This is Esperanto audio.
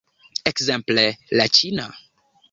Ekzemple, la ĉina.